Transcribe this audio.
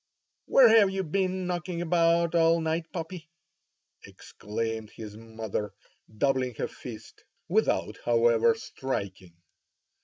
"Where have you been knocking about all night, puppy?" exclaimed his mother doubling her fist, without, however, striking.